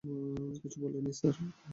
কিছু বলেনি স্যার।